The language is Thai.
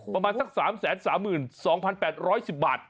ประมาณสักสามแสนสามหมื่นสองพันแปดร้อยสิบบาท